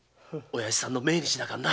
親父さんの命日だかんな。